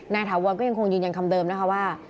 ถาวรก็ยังคงยืนยันคำเดิมนะคะว่า